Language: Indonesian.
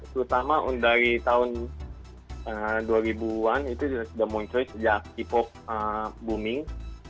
terutama dari tahun dua ribu an itu sudah muncul sejak hipok booming